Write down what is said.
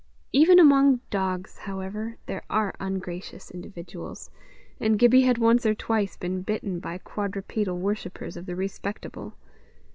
Even among dogs, however, there are ungracious individuals, and Gibbie had once or twice been bitten by quadrupedal worshippers of the respectable.